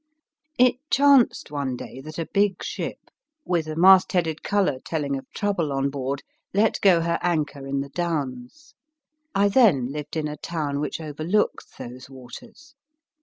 It chanced one day that a big ship, with a mastheaded \B UNIVERSITY Or 34 MY FIRST BOOK colour, telling of trouble on board, let go her anchor in the Downs. I then lived in a town which overlooks those waters.